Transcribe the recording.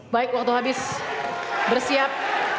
baik waktu habis bersiap